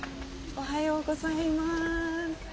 おはようございます。